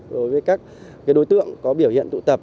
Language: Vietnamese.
đối với các đối tượng có biểu hiện tụ tập